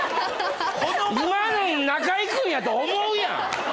今の中居君やと思うやん。